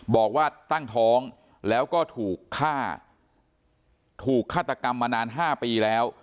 บอกว่าตั้งท้องแล้วก็ถูกฆ่าถูกฆาตกรรมมานาน๕ปีแล้ว